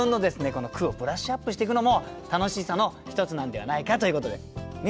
この句をブラッシュアップしていくのも楽しさの一つなんではないかということでね。